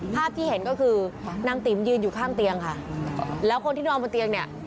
ภาพที่เห็นก็คือนางติ๋มยืนอยู่ข้างเตียงค่ะแล้วคนที่นอนบนเตียงเนี่ย